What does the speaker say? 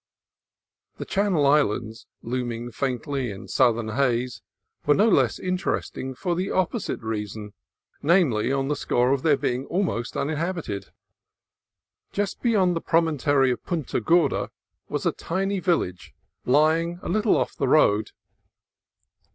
The Chan nel Islands, looming faintly in southern haze, were no less interesting for the opposite reason, namely, on the score of their being almost uninhabited. Just beyond the promontory of Punta Gorda was a tiny village, lying a little off the road.